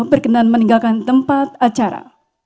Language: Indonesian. berkenan meninggalkan tempat acara